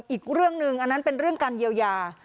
อีกเรื่องหนึ่งอันนั้นเป็นเรื่องการเยียวยา